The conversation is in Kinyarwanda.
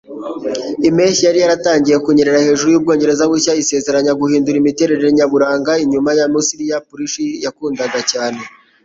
Impeshyi yari yatangiye kunyerera hejuru y'Ubwongereza bushya, isezeranya guhindura imiterere nyaburanga inyuma ya Mulisa Parrish yakundaga cyane.